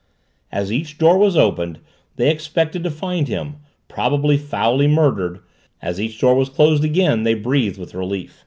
As each door was opened they expected to find him, probably foully murdered; as each door was closed again they breathed with relief.